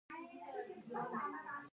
آیا له دوی سره داسې فکر پیدا شوی دی